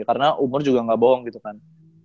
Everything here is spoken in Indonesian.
karena umur juga gak bohong gitu kan